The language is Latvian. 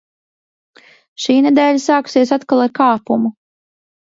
Šī nedēļa sākusies atkal ar kāpumu.